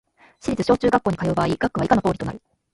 市立小・中学校に通う場合、学区は以下の通りとなる